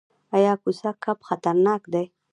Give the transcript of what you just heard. ایا کوسه کب خطرناک دی؟